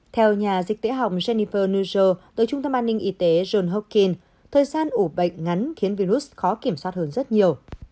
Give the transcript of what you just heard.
theo nhà dịch tễ học jennifer nuzzo từ trung tâm an ninh y tế john hawking thời gian ủ bệnh ngắn khiến virus khó kiểm soát hơn rất nhiều